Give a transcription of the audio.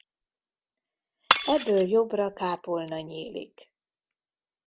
Ebből jobbra kápolna nyílik.